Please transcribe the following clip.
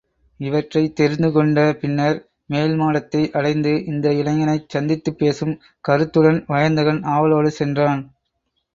இவற்றைத் தெரிந்து கொண்ட பின்னர், மேல்மாடத்தை அடைந்து அந்த இளைஞனைச் சந்தித்துப் பேசும் கருத்துடன் வயந்தகன் ஆவலோடு சென்றான்.